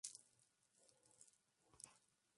Más tarde se convirtió en almirante de la Armada Real.